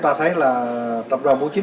và với lại các cơ quan khác